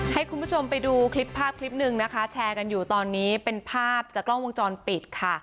ให้คุณผู้ชมไปดูคลิปภาพคลิปหนึ่งนะคะแชร์กันอยู่ตอนนี้เป็นภาพจากกล้องวงจรปิดค่ะ